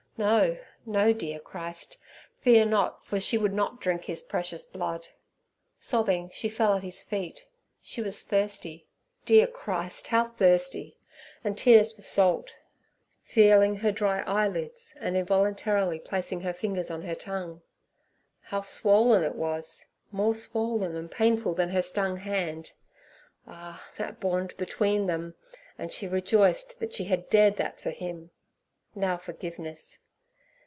No, no, dear Christ; fear not, for she would not drink His precious blood. Sobbing, she fell at His feet. She was thirsty, dear Christ—how thirsty!—and tears were salt, feeling her dry eyelids, and involuntarily placing her fingers on her tongue. How swollen it was—more swollen and painful than her stung hand! Ah! that bond between them; and she rejoiced that she had dared that for Him: now forgiveness.